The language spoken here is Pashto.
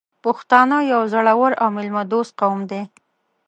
پښتانه یو زړور او میلمه دوست قوم دی .